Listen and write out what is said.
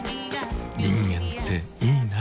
人間っていいナ。